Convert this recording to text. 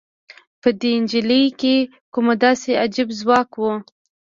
په دې نجلۍ کې کوم داسې عجيب ځواک و؟